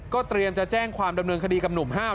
เตรียมจะแจ้งความดำเนินคดีกับหนุ่มห้าว